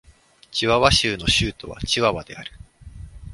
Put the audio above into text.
チワワ州の州都はチワワである